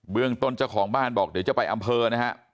เรื่องต้นเจ้าของบ้านบอกเดี๋ยวจะไปอำเภอนะฮะ